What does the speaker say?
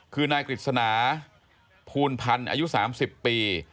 คือนายกฤษณาภูลพันธ์อายุ๓๐ปี